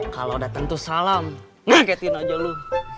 kalau udah tentu salam ngeketin aja lu